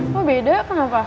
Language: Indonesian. kok beda kenapa